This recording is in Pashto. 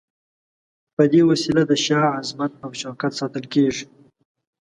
په دې وسیله د شاه عظمت او شوکت ساتل کیږي.